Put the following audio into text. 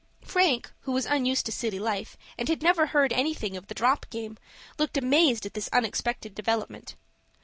Frank, who was unused to city life, and had never heard anything of the "drop game" looked amazed at this unexpected development.